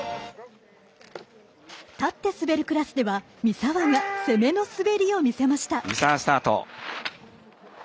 立って滑るクラスでは三澤が攻めの滑りを見せました。